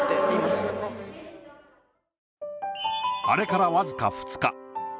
あれから僅か２日。